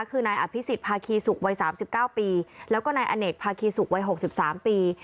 คือนายอภิสิตพาคีสุกวัยสามสิบเก้าปีแล้วก็นายอเนกพาคีสุกวัยหกสิบสามปี